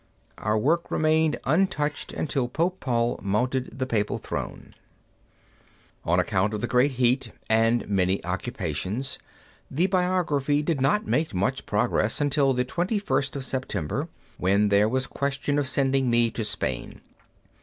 Our work remained untouched until Pope Paul mounted the papal throne. On account of the great heat and many occupations, the biography did not make much progress until the 21st of September, when there was question of sending me to Spain.